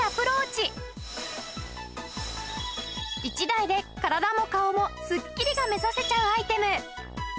１台で体も顔もすっきりが目指せちゃうアイテム。